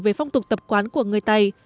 về phong tục tập quán của người tày